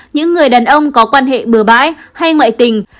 những người đàn ông có quan hệ bừa bãi hay ngoại tình